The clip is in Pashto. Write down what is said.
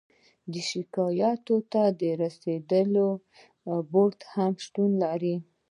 د شکایاتو ته د رسیدو بورد هم شتون لري.